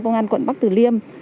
ngăn quận bắc từ liêm